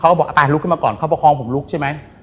เขาบอกอ่าลุกขึ้นมาก่อนเขาประคองผมลุกใช่ไหม